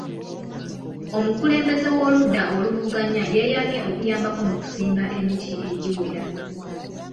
Omukulembeze w'oludda oluvuganya yeeyamye okuyambako mu kusimba emiti egiwera.